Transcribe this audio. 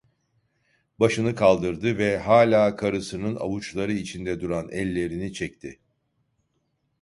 Başını kaldırdı ve hâlâ karısının avuçları içinde duran ellerini çekti.